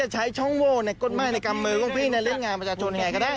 ใช้ช้องโวล์กดไหม้ในกลางเล่นงานประชาชน